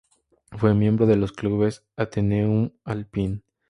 Fue miembro de los clubes Athenaeum, Alpine.